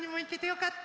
よかった！